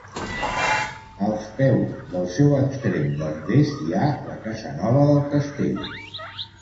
Als peus del seu extrem nord-est hi ha la Casanova del Castell.